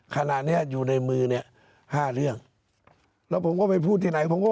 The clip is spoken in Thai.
ขณะนี้อยู่ในมือ๕เรื่องแล้วผมก็ไปพูดที่ไหน